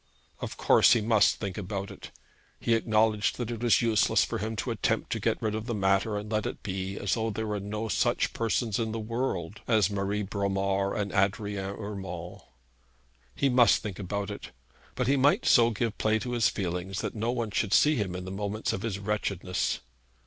Of course he must think about it. He acknowledged that it was useless for him to attempt to get rid of the matter and let it be as though there were no such persons in the world as Marie Bromar and Adrian Urmand. He must think about it; but he might so give play to his feelings that no one should see him in the moments of his wretchedness.